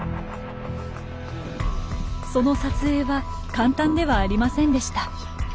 その撮影は簡単ではありませんでした。